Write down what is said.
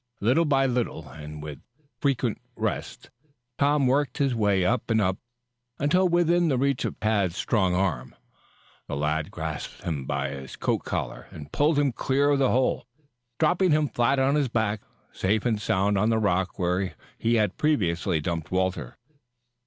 Little by little and with frequent rests, Tom worked his way up and up until within reach of Tad's strong arm. The lad grasped him by the coat collar and pulled him clear of the hole, dropping him flat on his back safe and sound on the rock where he had previously dumped Walter.